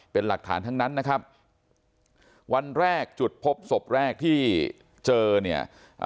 เป็นหลักฐานทั้งนั้นนะครับวันแรกจุดพบศพแรกที่เจอเนี่ย